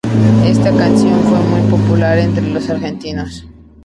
Esta acción fue muy popular entre los argentinos.